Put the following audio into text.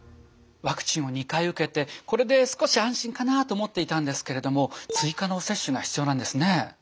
ワクチンを２回受けてこれで少し安心かなあと思っていたんですけれども追加の接種が必要なんですね。